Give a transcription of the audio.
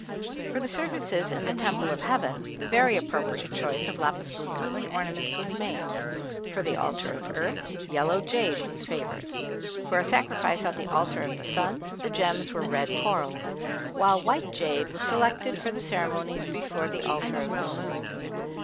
For the services in the Temple of Heaven, the very appropriate choice of lapis lazuli ornaments was made; for the Altar of Earth, yellow jade was favored; for a sacrifice on the Altar of the Sun, the gems were red corals, while white jade was selected for the ceremonies before the Altar of the Moon.